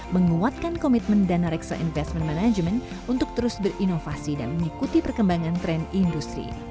menguatkan komitmen dana reksa investment management untuk terus berinovasi dan mengikuti perkembangan tren industri